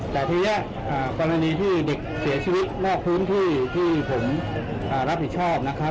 แต่ทีนี้กรณีที่เด็กเสียชีวิตนอกพื้นที่ที่ผมรับผิดชอบนะครับ